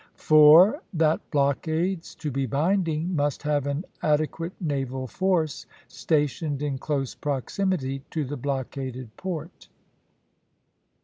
4. That blockades, to be binding, must have an adequate naval force stationed in close proximity to the blockaded port.